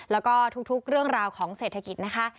แล้วก็ทุกเรื่องราวของเศรษฐกิจนะคะ